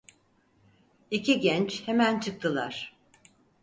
İki genç hemen çıktılar.